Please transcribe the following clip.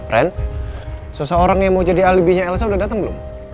ren seseorang yang mau jadi alibinya elsa udah datang belum